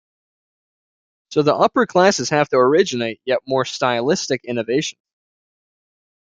So the upper classes have to originate yet more stylistic innovations.